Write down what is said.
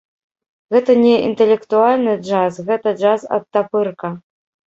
Гэта не інтэлектуальны джаз, гэта джаз-адтапырка!